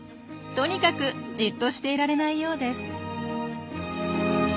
とにかくじっとしていられないようです。